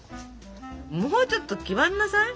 もうちょっと気張んなさい。